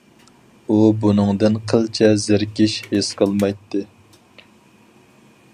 ئۇ بۇنىڭدىن قىلچە زېرىكىش ھېس قىلمايتتى.